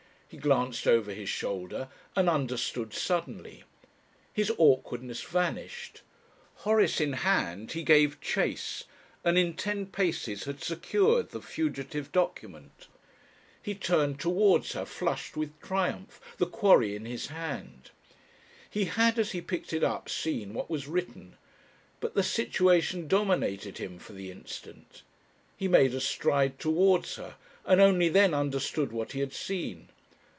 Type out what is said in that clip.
He glanced over his shoulder and understood suddenly. His awkwardness vanished. Horace in hand, he gave chase, and in ten paces had secured the fugitive document. He turned towards her, flushed with triumph, the quarry in his hand. He had as he picked it up seen what was written, but the situation dominated him for the instant. He made a stride towards her, and only then understood what he had seen.